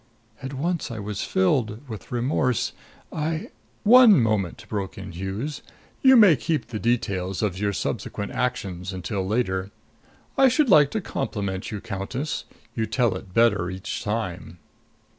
At once I was filled with remorse. I " "One moment," broke in Hughes. "You may keep the details of your subsequent actions until later. I should like to compliment you, Countess. You tell it better each time."